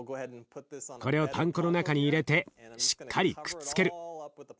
これをパン粉の中に入れてしっかりくっつける。